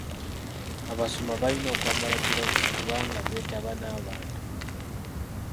Abasumba balina okwambala giraavuzi kubanga beetaba n'abantu.